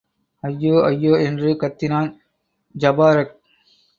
ஐயோ, ஐயோ! என்று கத்தினான் ஜபாரக்.